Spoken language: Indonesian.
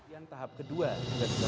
yang tahap kedua